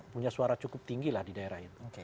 punya suara cukup tinggi lah di daerah itu